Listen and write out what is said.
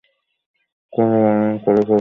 Karaoking করার জন্য প্রস্তুত?